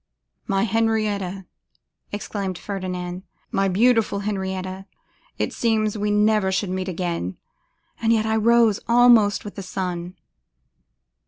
'My Henrietta!' exclaimed Ferdinand, 'my beautiful Henrietta, it seemed we never should meet again, and yet I rose almost with the sun.